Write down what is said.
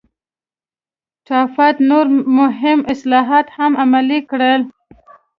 ټافت نور مهم اصلاحات هم عملي کړل.